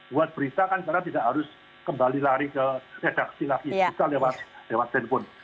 buat berita kan karena tidak harus kembali lari ke redaksi lagi bisa lewat telepon